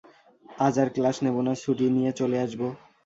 আজ আর ক্লাস নেব না, ছুটি নিয়ে চলে আসব।